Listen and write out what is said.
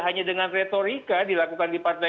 hanya dengan retorika dilakukan di partai